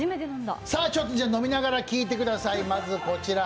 飲みながら聞いてください、まずこちら。